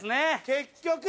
結局。